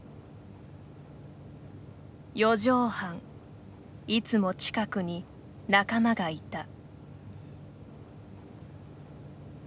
四畳半いつも近くに仲間がいた。